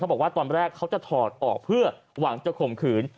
บอกว่าตอนแรกเขาจะถอดออกเพื่อหวังจะข่มขืน